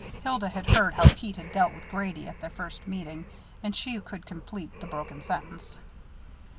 Hilda had heard how Pete had dealt with Grady at their first meeting, and she could complete the broken sentence.